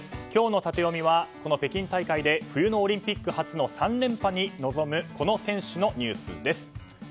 今日のタテヨミはこの北京大会で冬のオリンピック初の３連覇に臨むこの選手のニュースです。